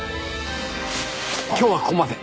今日はここまで！